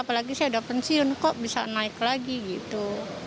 apalagi saya udah pensiun kok bisa naik lagi gitu